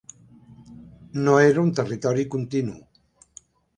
No era un territori continu.